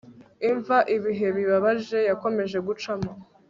Imva ibihe bibabaje yakomeje gucamo